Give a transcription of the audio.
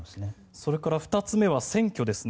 それから２つ目は選挙ですね。